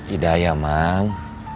idah ya mang